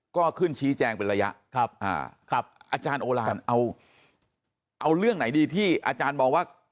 ก็ขึ้นชี้แจงเป็นระยะอาจารย์โอลานเอาเรื่องไหนดีที่อาจารย์มองว่า